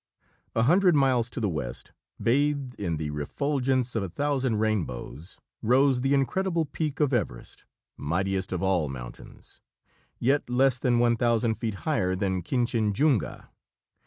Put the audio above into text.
A hundred miles to the west, bathed in the refulgence of a thousand rainbows, rose the incredible peak of Everest, mightiest of all mountains, yet less than 1,000 feet higher than Kinchinjunga.